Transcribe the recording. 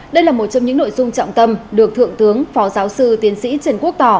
đây là một trong những nội dung trọng tâm được thượng tướng phó giáo sư tiến sĩ trần quốc tỏ